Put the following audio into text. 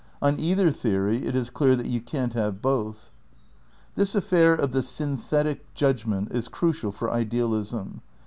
On either theory it is clear that you can't have both. This affair of the synthetic judgment is crucial for Idealism.